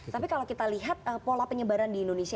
tapi kalau kita lihat pola penyebaran di indonesia